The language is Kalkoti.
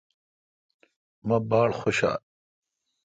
مہ باڑخوشال۔